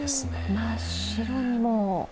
真っ白に。